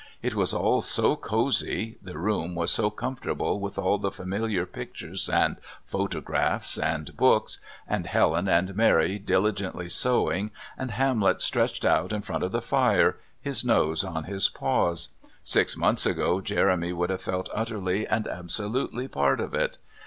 It was all so cosy, the room was so comfortable with all the familiar pictures and photographs and books, and Helen and Mary diligently sewing, and Hamlet stretched out in front of the fire, his nose on his paws six months ago Jeremy would have felt utterly and absolutely part of it.